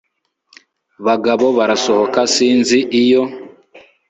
bagabo barasohoka sinzi iyo